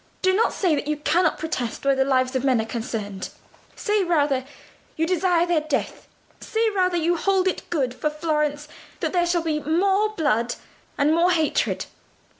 Do not say you cannot protest where the lives of men are concerned; say rather, you desire their death. Say rather, you hold it good for Florence that there shall be more blood and more hatred.